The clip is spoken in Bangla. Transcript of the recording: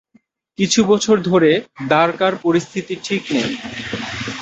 কিছু বছর ধরে, দ্বারকার পরিস্থিতি ঠিক নেই।